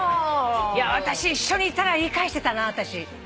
私一緒にいたら言い返してたな。